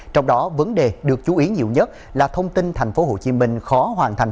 trong đó vấn đề được chú ý nhiều nhất là thông tin tp hcm khó hoàn thành